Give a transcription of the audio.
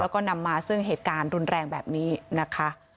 แล้วก็นำมาซึ่งเหตุการณ์รุนแรงแบบนี้นะคะ